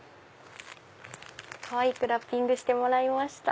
かわいくラッピングしてもらいました。